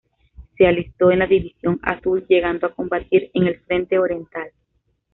Se alistó en la División Azul, llegando a combatir en el Frente oriental.